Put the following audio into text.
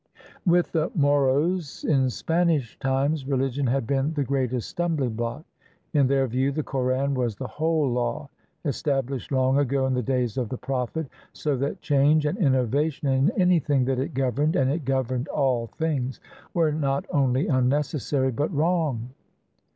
With the Moros in Spanish times, rehgion had been the greatest stumbling block. In their view the Koran was the whole law, established long ago in the days of the Prophet, so that change and innovation in anything that it governed (and it governed all things) were not only unnecessary, but wrong.